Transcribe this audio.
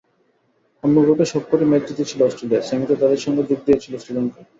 অন্য গ্রুপে সবকটি ম্যাচ জিতেছিল অস্ট্রেলিয়া, সেমিতে তাদের সঙ্গে যোগ দিয়েছিল শ্রীলঙ্কা।